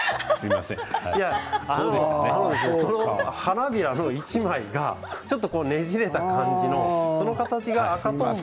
花びらの１枚がちょっとねじれた感じのその形が赤とんぼ。